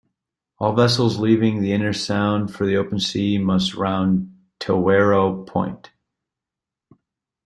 All vessels leaving the inner sound for the open sea must round Tawero Point.